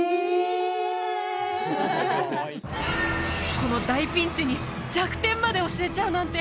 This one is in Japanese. この大ピンチに弱点まで教えちゃうなんて！